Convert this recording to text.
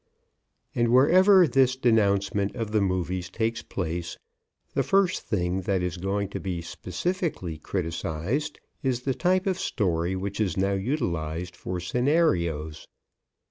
And whenever this denouncement of the movies takes place, the first thing that is going to be specifically criticized is the type of story which is now utilized for scenarios.